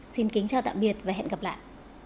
xin kính chào tạm biệt và hẹn gặp lại